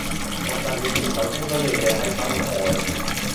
學習語言首先需要嘅係真愛